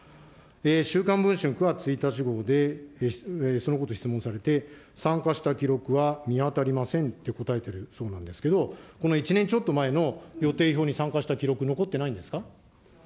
週刊文春９月１日号で、そのこと質問されて、参加した記録は見当たりませんって答えてるそうなんですけど、この１年ちょっと前の予定表に参加した記録、残ってないんですか。